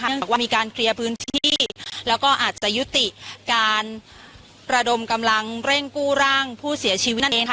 บอกว่ามีการเคลียร์พื้นที่แล้วก็อาจจะยุติการระดมกำลังเร่งกู้ร่างผู้เสียชีวิตนั่นเองค่ะ